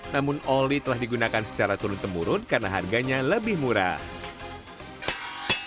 namun oli telah digunakan secara turun temurun karena harganya lebih murah